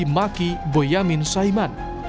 maki boyamin saiman